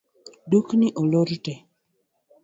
Dukni olor tee